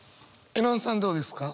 絵音さんどうですか？